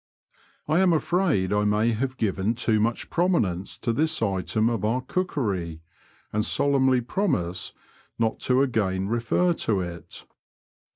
I am afraid I may have given too much prominence to this item of our cookery, and solemnly promise not to again refer to it.